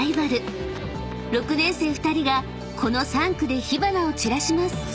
［６年生２人がこの３区で火花を散らします］